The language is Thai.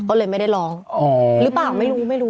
ก็เลยไม่ได้ร้องอ๋อหรือเปล่าไม่รู้ไม่รู้